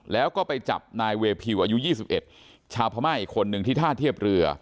แล้วก็ไปจับนายเวพิวอายุ๒๑ชาวพม่าอีกคนนึงที่ท่าเทียบเรือ